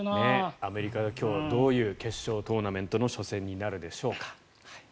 アメリカがどういう決勝トーナメントの初戦になるでしょうか。